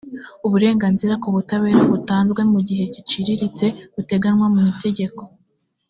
uburenganzira ku butabera butanzwe mu gihe giciriritse buteganywa mu itegeko